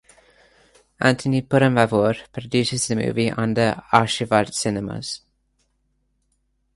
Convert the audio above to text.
Antony Perumbavoor produces the movie under Aashirvad Cinemas.